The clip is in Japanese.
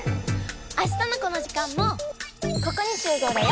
あしたのこの時間もここに集合だよ！